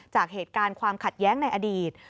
จากเหตุการณ์ความขัดแย้งในอดีต